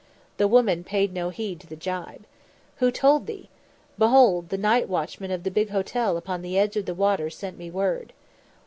The woman paid no heed to the jibe. "Who told thee?" "Behold, the night watchman of the big hotel upon the edge of the water sent me word."